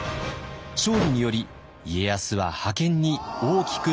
勝利により家康は覇権に大きく近づきます。